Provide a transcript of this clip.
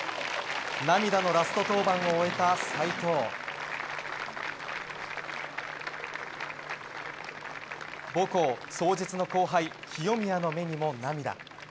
涙のラスト登板を終えた斎藤母校・早実の後輩清宮の目にも涙。